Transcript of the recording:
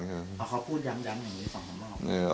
ขอบพูดย้ำอยู่นี่๒๓ครั้ง